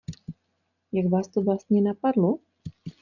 Jak vás to vlastně napadlo?